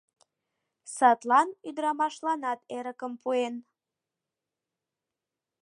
Садлан ӱдырамашланат эрыкым пуэн.